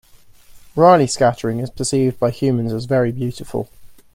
Raleigh scattering is perceived by humans as very beautiful.